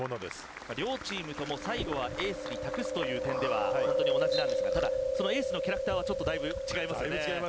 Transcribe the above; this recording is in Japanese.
両チームとも最後はエースに託すという点では同じなんですがエースのキャラクターはだいぶ違いますね。